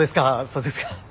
そうですか。